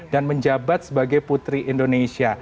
dan menjabat sebagai putri indonesia